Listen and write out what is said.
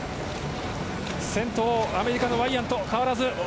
先頭、アメリカのワイヤントで変わらず。